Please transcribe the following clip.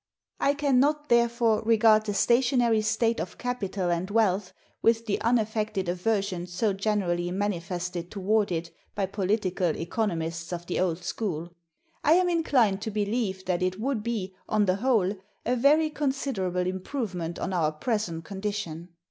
I can not, therefore, regard the stationary state of capital and wealth with the unaffected aversion so generally manifested toward it by political economists of the old school. I am inclined to believe that it would be, on the whole, a very considerable improvement on our present condition.